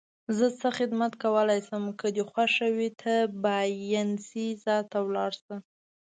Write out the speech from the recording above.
زه څه خدمت کولای شم؟ که دې خوښه وي ته باینسیزا ته ولاړ شه.